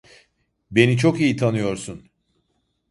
Beni çok iyi tanıyorsun.